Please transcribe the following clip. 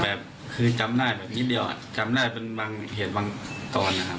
แบบคือจำได้แบบนิดเดียวจำได้เป็นบางเหตุบางตอนนะครับ